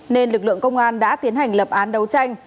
nên lực lượng công an đã tiến hành lập án đấu tranh